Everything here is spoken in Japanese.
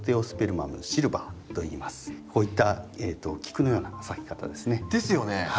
これはこういった菊のような咲き方ですね。ですよね。